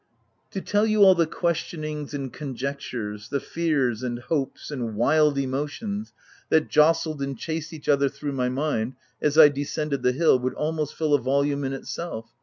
To tell you all the questionings and con 214 THE TENANT jectures — the fears, and hopes, and wild emo tions that jostled and chased each other through my mind as I descended the hill, would almost fill a volume in itself.